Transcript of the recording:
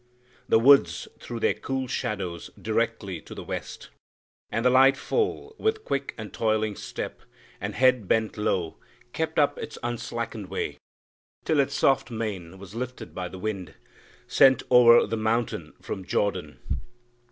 The woods Threw their cool shadows directly to the west; And the light foal, with quick and toiling step, And head bent low, kept up its unslackened way Till its soft mane was lifted by the wind Sent o'er the mount from Jordan.